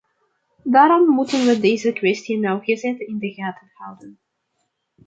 Daarom moeten we deze kwestie nauwgezet in de gaten houden.